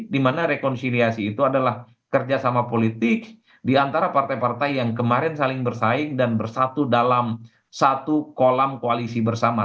dimana rekonsiliasi itu adalah kerjasama politik diantara partai partai yang kemarin saling bersaing dan bersatu dalam satu kolam koalisi bersama